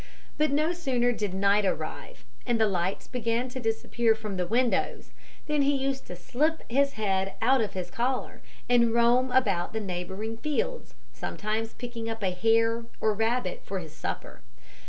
But no sooner did night arrive, and the lights began to disappear from the windows, than he used to slip his head out of his collar, and roam about the neighbouring fields, sometimes picking up a hare or rabbit for his supper.